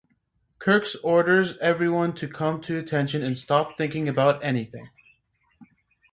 Kirk orders everyone to come to attention and stop thinking about anything.